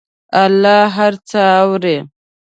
الله هر څه اوري.